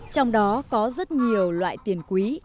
trong đó có rất nhiều loại tiền quý